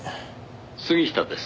「杉下です」